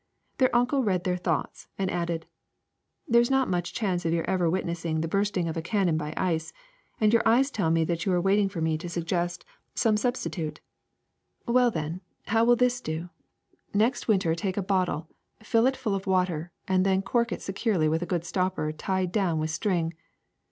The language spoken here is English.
Their uncle read their thoughts, and added :^^ There is not much chance of your ever witness ing the bursting of a cannon by ice, and your eyes tell me that you are waiting for me to suggest some ICE 353 substitute. Well, then, how will this do ? Next win ter take a bottle, fill it full of water, and then cork it securely with a good stopper tied down with string.